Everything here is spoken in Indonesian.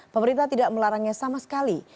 pemerintah tidak melarangnya sama sekali